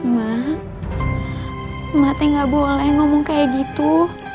mak emak teh gak boleh ngomong kayak gitu